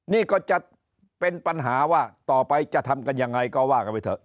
นี่ก็จะเป็นปัญหาว่าต่อไปจะทำกันยังไงก็ว่ากันไปเถอะ